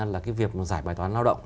là cái việc giải bài toán lao động